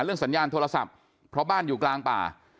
สัญญาณโทรศัพท์เพราะบ้านอยู่กลางป่า